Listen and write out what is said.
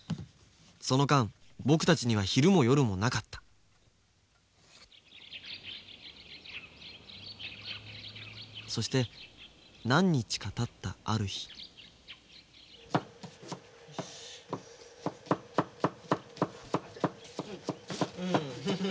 その間僕たちには昼も夜もなかったそして何日かたったある日よう。